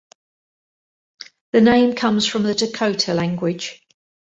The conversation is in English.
The name comes from the Dakota language.